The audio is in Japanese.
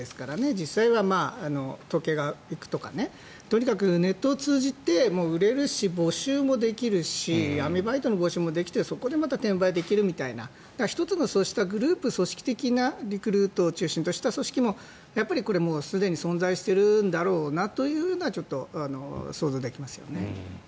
実際は時計が行くとかとにかくネットを通じて売れるし、募集もできるし闇バイトの募集もできてそこでまた転売できるみたいな１つのそうしたグループ組織的なリクルートを中心とした組織もこれ、すでに存在してるんだろうというようなちょっと、想像できますよね。